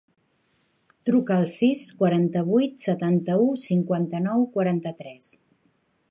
Truca al sis, quaranta-vuit, setanta-u, cinquanta-nou, quaranta-tres.